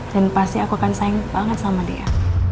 dan pasti aku akan sayang banget sama dia